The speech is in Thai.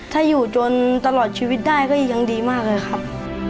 ถ้าอยู่จนตลอดชีวิตได้ก็ยังดีมากเลยครับ